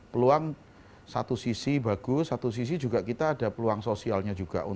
peluang satu sisi bagus satu sisi juga kita ada peluang sosialnya juga